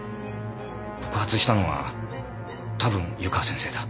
告発したのは多分湯川先生だ。